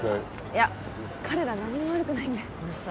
いや彼ら何も悪くないんでウソ